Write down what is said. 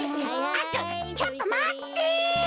あっちょっとちょっとまって！